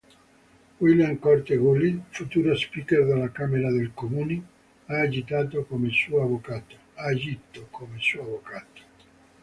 William Corte Gully, futuro Speaker della Camera dei Comuni, ha agito come suo avvocato.